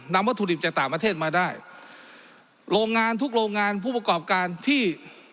วัตถุดิบจากต่างประเทศมาได้โรงงานทุกโรงงานผู้ประกอบการที่